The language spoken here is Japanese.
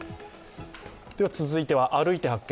続いては「歩いて発見！